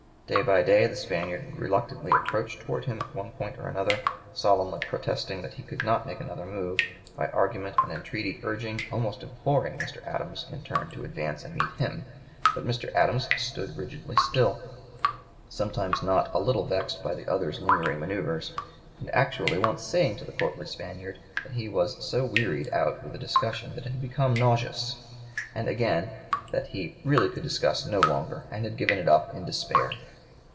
Day by day the Spaniard would reluctantly approach toward him at one point or another, solemnly protesting that he could not make another move, by argument and entreaty urging, almost imploring, Mr. Adams in turn to advance and meet him. But Mr. Adams stood rigidly still, sometimes not a little vexed by the other's lingering manoeuvres, and actually once saying to the courtly Spaniard that he "was so (p. 115) wearied out with the discussion that it had become nauseous;" and, again, that he "really could discuss no longer, and had given it up in despair."